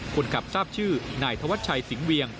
คนขับทราบชื่อนายธวัชชัยสิงหเวียง